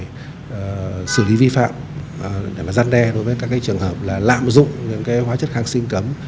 để mà xử lý vi phạm để mà giăn đe đối với các trường hợp là lạm dụng những hóa chất kháng sinh cấm